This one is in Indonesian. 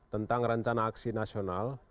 tentang rencana aksi nasional